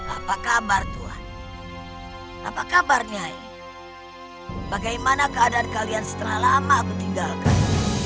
apa kabar tuan apa kabarnya ini bagaimana keadaan kalian setelah lama ketinggalkan